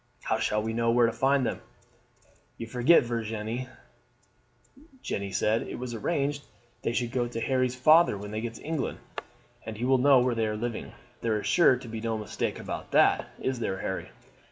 How shall we know where to find them?" "You forget, Virginie," Jeanne said, "it was arranged they should go to Harry's father when they got to England, and he will know where they are living; there is sure to be no mistake about that, is there, Harry?"